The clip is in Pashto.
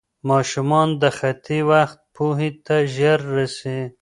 ماشومان د خطي وخت پوهې ته ژر رسي.